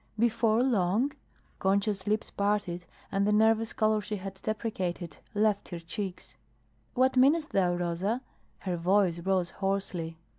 "Before long?" Concha's lips parted and the nervous color she had deprecated left her cheeks. "What meanest thou, Rosa?" Her voice rose hoarsely.